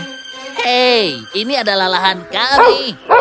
hei ini adalah lahan kami